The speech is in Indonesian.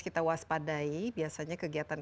kita waspadai biasanya kegiatan